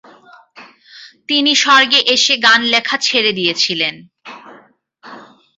তিনি স্বর্গে এসে গান লেখা ছেড়ে দিয়েছিলেন।